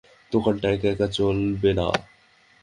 দোকানটা একা একা চলবে না।